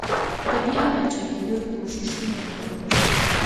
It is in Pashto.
د بیا پاچاکېدلو کوښښونه یې کول.